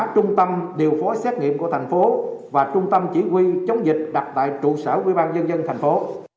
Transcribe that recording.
trung tâm điều phó xét nghiệm của thành phố và trung tâm chỉ huy chống dịch đặt tại trụ sở ủy ban dân dân thành phố